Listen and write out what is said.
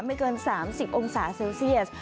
ไม่เกิน๓๐องศาเซลเซียส